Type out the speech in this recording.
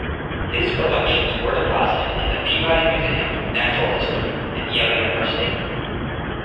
His collections were deposited in the Peabody Museum of Natural History at Yale University.